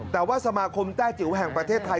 แต่ว่าสมาคมแต้จิ๋วแห่งประเทศไทย